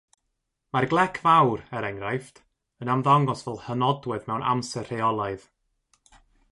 Mae'r Glec Fawr, er enghraifft, yn ymddangos fel hynodwedd mewn amser rheolaidd.